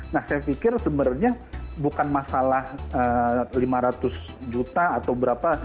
nah saya pikir sebenarnya bukan masalah lima ratus juta atau berapa